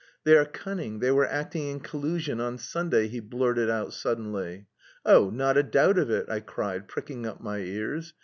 "They are cunning; they were acting in collusion on Sunday," he blurted out suddenly.... "Oh, not a doubt of it," I cried, pricking up my ears.